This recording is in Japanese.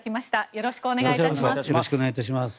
よろしくお願いします。